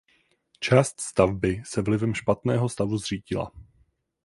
Část stavby se vlivem špatného stavu zřítila.